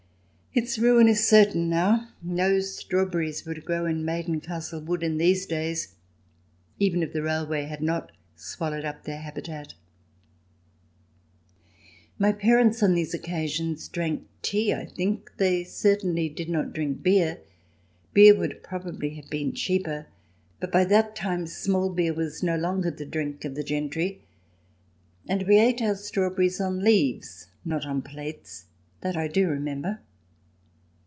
Its ruin is certain now ; no strawberries would grow in Maiden Castle Wood in these days, even if the railway had not swallowed up their habitat. CH. VI] BEER GARDENS . 67 My parents, on these occasions, drank tea, I think — they certainly did not drink beer. Beer would probably have been cheaper, but by that time small beer was no longer the drink of the gentry. And we ate our strawberries on leaves, not on plates ; that I do remember.